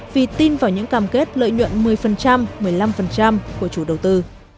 vì tin vào những cam kết lợi nhuận một mươi một mươi năm của chủ đầu tư